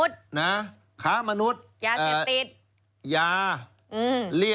ยาเสี่ยดติด